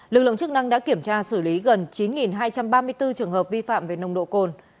lực lượng chức năng đã kiểm tra xử lý gần chín hai trăm ba mươi bốn trường hợp vi phạm về nồng độ cồn